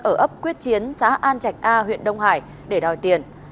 ở ấp quyết chiến xã an trạch a huyện đông hải để đòi tiền